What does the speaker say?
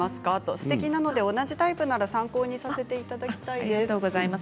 すてきなので同じタイプなら参考にさせていただきたいです。